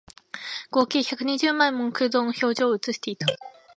合計百二十枚もの空洞の表情を写していた